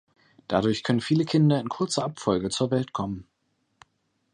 Dadurch können viele Kinder in kurzer Abfolge zur Welt kommen.